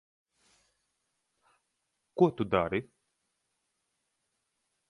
Ko tu dari?